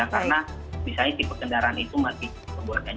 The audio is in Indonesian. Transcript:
karena misalnya tipe kendaraan itu masih kebuatan